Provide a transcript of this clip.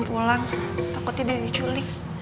pulang takutnya dia diculik